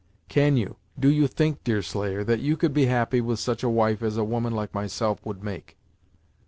Can you do you think, Deerslayer, that you could be happy with such a wife as a woman like myself would make?"